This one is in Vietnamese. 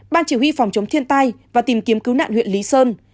ban chỉ huy phòng chống thiên tai và tìm kiếm cứu nạn huyện lý sơn